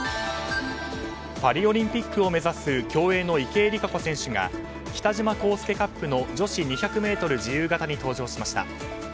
パリオリンピックを目指す競泳の池江璃花子選手が北島康介カップの女子２００ｍ自由形に登場しました。